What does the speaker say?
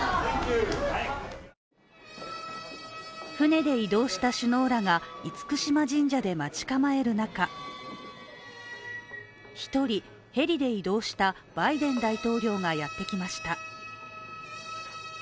船で移動した首脳らが厳島神社で待ち構える中、１人、ヘリで移動したバイデン大統領がやってきました。